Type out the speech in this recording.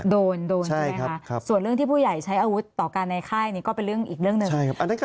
โดนโดนใช่ไหมคะส่วนเรื่องที่ผู้ใหญ่ใช้อาวุธต่อการในค่ายนี่ก็เป็นเรื่องอีกเรื่องหนึ่ง